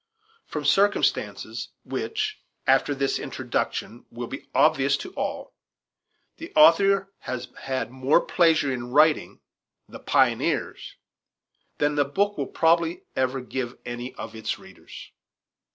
From circumstances which, after this Introduction, will be obvious to all, the author has had more pleasure in writing "The Pioneers" than the book will probably ever give any of its readers.